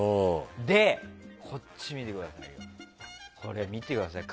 で、こっちを見てください。